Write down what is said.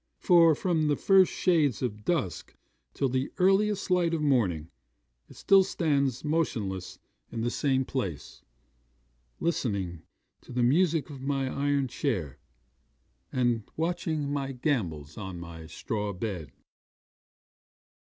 For from the first shades of dusk till the earliest light of morning, it still stands motionless in the same place, listening to the music of my iron chain, and watching my gambols on my straw bed.